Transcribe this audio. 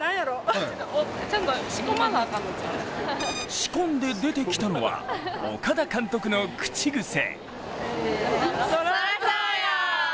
仕込んで出てきたのは岡田監督の口癖。